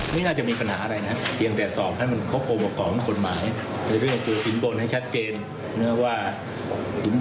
พิธีว่าเขาจะให้ไหมพวกวอลวงเงิน